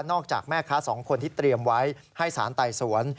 จากแม่ค้าสองคนที่เตรียมไว้ให้สารไต่สวน